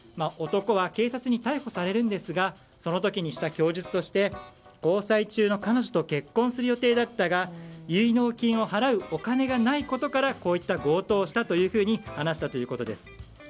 男は警察に逮捕されるんですがその時にした供述として交際中の彼女と結婚する予定だったが結納金を払うお金がないことからこういった強盗をしたと話したということです。